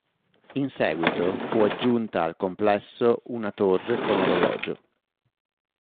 In seguito fu aggiunta al complesso una torre con orologio.